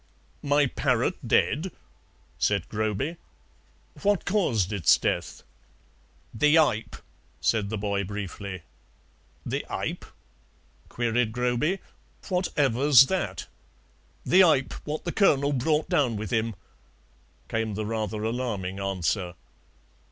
"My parrot dead?" said Groby. "What caused its death?" "The ipe," said the boy briefly. "The ipe?" queried Groby. "Whatever's that?" "The ipe what the Colonel brought down with him," came the rather alarming answer.